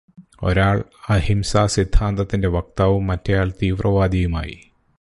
ഒരാള് അഹിംസാ സിദ്ധാന്തത്തിന്റെ വക്താവും, മറ്റേയാള് തീവ്രവാദിയുമായി.